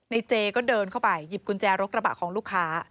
เจก็เดินเข้าไปหยิบกุญแจรถกระบะของลูกค้า